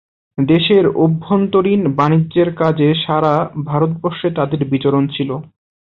দেশের অভ্যন্তরীণ বাণিজ্যের কাজে সারা ভারতবর্ষে তাদের বিচরণ ছিল।